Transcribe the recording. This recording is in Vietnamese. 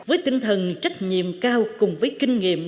với tinh thần trách nhiệm cao cùng với kinh nghiệm